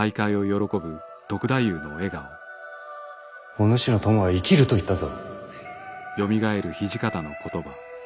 お主の友は生きると言ったぞ。